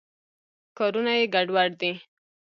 کارونه یې ګډوډ دي.